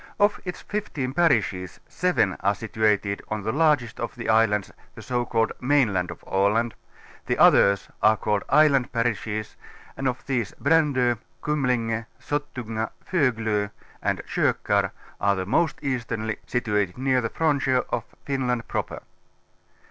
Of its fifteen parishes seven are situat ed on the largest of the islands, the so called mainland of Aland; the others are called island parishes and of these ^ Brando, Kumlinge, Sottunga, Foglo and Kokax are the f^ most ea sternly, situated near the frontier of Finland Proper.